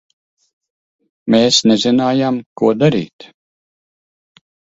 Mēs nezinājām, ko darīt.